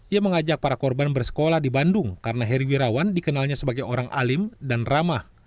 ia mengajak para korban bersekolah di bandung karena heri wirawan dikenalnya sebagai orang alim dan ramah